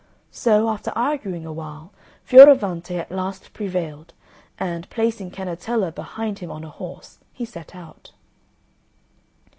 So, after arguing awhile, Fioravante at last prevailed, and, placing Cannetella behind him on a horse, he set out.